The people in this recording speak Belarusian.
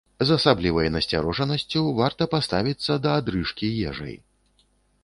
З асаблівай насцярожанасцю варта паставіцца да адрыжкі ежай.